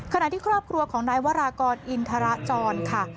ขณะที่ครอบครัวของนายวรากรอินทรจรค่ะ